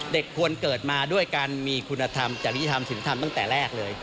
ควรเกิดมาด้วยการมีคุณธรรมจริยธรรมศิลธรรมตั้งแต่แรกเลย